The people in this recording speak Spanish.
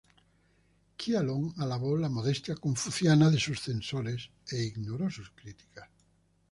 Qianlong alabó la modestia confuciana de sus censores, e ignoró sus críticas.